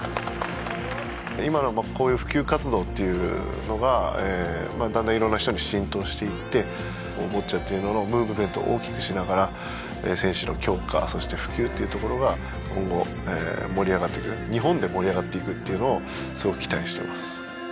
今のまあこういう普及活動っていうのがだんだん色んな人に浸透していってボッチャっていうののムーブメントを大きくしながら選手の強化そして普及っていうところが今後盛り上がっていく日本で盛り上がっていくっていうのをすごく期待してます